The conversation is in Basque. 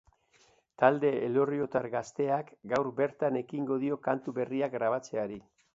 Talde elorriotar gazteak gaur bertan ekingo dio kantu berriak grabatzeari.